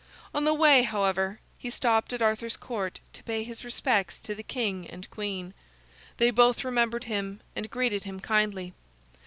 On the way, however, he stopped at Arthur's Court to pay his respects to the king and the queen. They both remembered him and greeted him kindly.